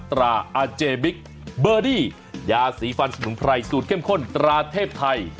ตราอาเจบิ๊กเบอร์ดี้ยาสีฟันสมุนไพรสูตรเข้มข้นตราเทพไทย